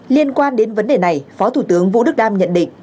liên quan đến vấn đề này phó thủ tướng vũ đức đam nhận định